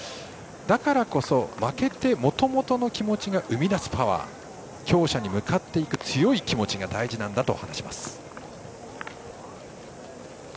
だからこそ負けてもともとの気持ちが生み出すパワー強者に向かっていく強い気持ちが大事なんだと話します。